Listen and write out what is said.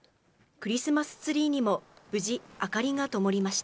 クリスマスツリーにも無事、明かりがともりました。